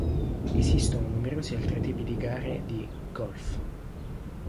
Esistono numerosi altri tipi di gare di "golf".